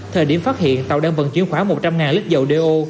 thời điểm phát hiện tàu đang vận chuyển khoảng một trăm linh lít dầu do